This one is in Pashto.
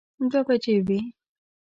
دوه بجې وې.